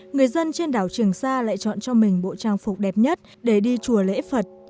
người dân trên đảo trường sa lại chọn cho mình bộ trang phục đẹp nhất để đi chùa lễ phật